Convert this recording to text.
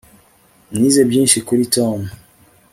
Nize byinshi kuri Tom